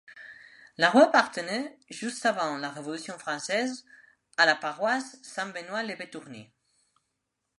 La rue appartenait, juste avant la Révolution française, à la paroisse Saint-Benoît-le-Bétourné.